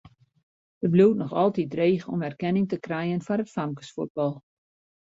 It bliuwt noch altyd dreech om erkenning te krijen foar it famkesfuotbal.